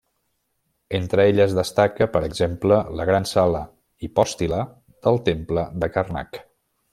Entre elles destaca, per exemple, la gran sala hipòstila del temple de Karnak.